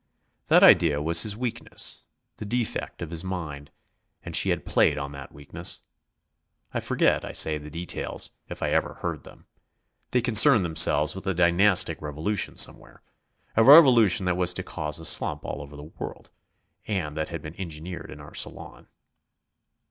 That idea was his weakness, the defect of his mind, and she had played on that weakness. I forget, I say, the details, if I ever heard them; they concerned themselves with a dynastic revolution somewhere, a revolution that was to cause a slump all over the world, and that had been engineered in our Salon.